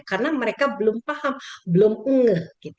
karena mereka belum paham belum nge